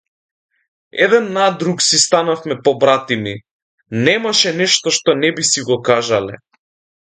Еден на друг си станавме побратими, немаше нешто што не би си го кажале.